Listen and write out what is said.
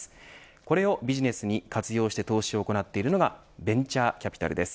これをビジネスに活用して投資を行っているのがベンチャーキャピタルです。